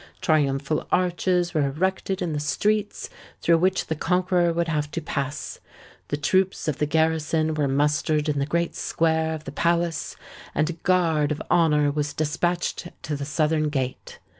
Triumphal arches were erected in the streets through which the conqueror would have to pass: the troops of the garrison were mustered in the great square of the palace; and a guard of honour was despatched to the southern gate.